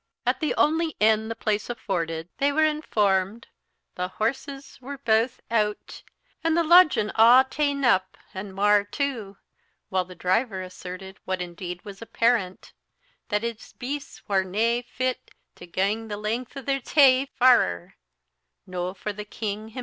At the only inn the place afforded they were informed "the horses were baith oot, an' the ludgin' a' tane up, an' mair tu;" while the driver asserted, what indeed was apparent, "that his beasts war nae fit to gang the length o' their tae farrer no for the king himsel'."